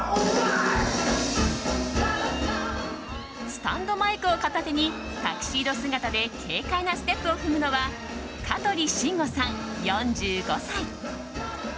スタンドマイクを片手にタキシード姿で軽快なステップを踏むのは香取慎吾さん、４５歳。